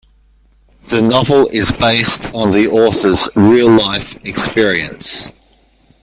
The novel is based on the author's real life experience.